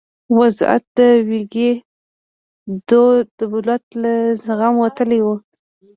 وضعیت د ویګي دولت له زغمه وتلی و.